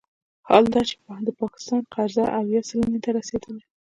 حال دا چې د پاکستان قرضه اویا سلنې ته رسیدلې